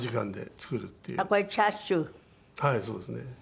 はいそうですね。